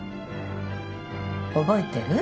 覚えてる？